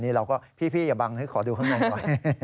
นี่เราก็พี่อย่าบังขอดูข้างล่างด้วย